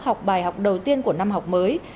học bài học đầu tiên của năm học mới